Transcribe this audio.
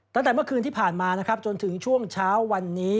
ตั้งแต่เมื่อคืนที่ผ่านมานะครับจนถึงช่วงเช้าวันนี้